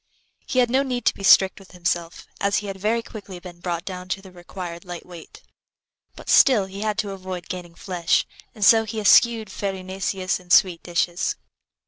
He had no need to be strict with himself, as he had very quickly been brought down to the required light weight; but still he had to avoid gaining flesh, and so he eschewed farinaceous and sweet dishes.